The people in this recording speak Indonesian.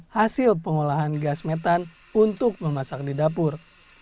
hasil pengolahan gas metan untuk memasak di dapur